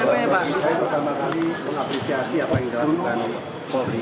saya pertama kali mengapresiasi apa yang dilakukan polri